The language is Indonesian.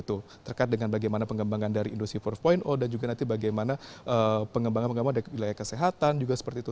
terkait dengan bagaimana pengembangan dari industri empat dan juga nanti bagaimana pengembangan pengembangan dari wilayah kesehatan juga seperti itu